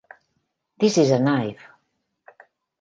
This Is a Knife!